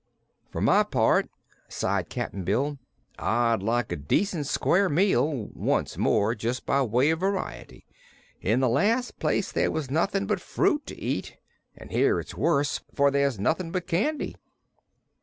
"For my part," sighed Cap'n Bill, "I'd like a decent square meal, once more, just by way of variety. In the last place there was nothing but fruit to eat, and here it's worse, for there's nothing but candy."